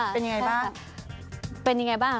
เป็นยังไงบ้าง